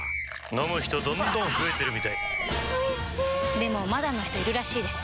飲む人どんどん増えてるみたいおいしでもまだの人いるらしいですよ